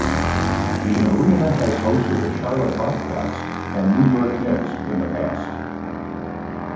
The arena has hosted the Charlotte Bobcats and New York Knicks in the past.